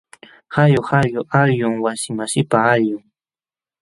Huyu huyu allqum wasimasiipa allqun.